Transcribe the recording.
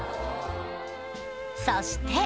そして